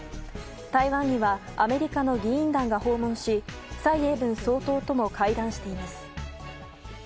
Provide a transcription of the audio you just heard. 台湾にはアメリカの議員団が訪問し蔡英文総統とも会談しています。